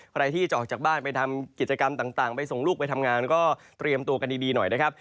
ใครที่จะออกจากบ้านไปทำกิจกรรมต่างไปส่งลูกไปทำงานก็เตรียมตัวกันดีหน่อยนะครับ